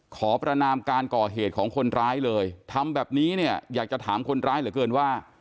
ขอประนามการก่อเหตุของคนร้ายเลยทำแบบนี้เนี่ยอยากจะถามคนร้ายเหลือเกินว่า